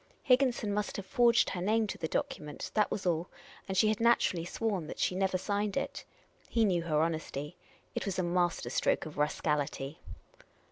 Higginson must have forged her name to the document ; that was all ; and she had naturallj' sworn that she never signed it. He knew her honesty. It was a master stroke of rascality.